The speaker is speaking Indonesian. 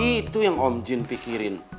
itu yang om jin pikirin